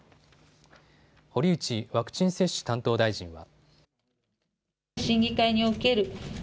堀内ワクチン接種担当大臣は。